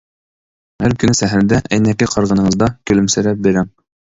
ھەر كۈنى سەھەردە ئەينەككە قارىغىنىڭىزدا كۈلۈمسىرەپ بېرىڭ.